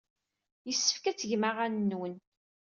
Yessefk ad tgem aɣanen-nwen.